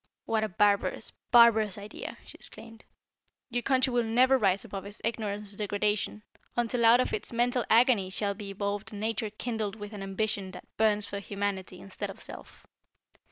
"What a barbarous, barbarous idea!" she exclaimed. "Your country will never rise above its ignorance and degradation, until out of its mental agony shall be evolved a nature kindled with an ambition that burns for Humanity instead of self.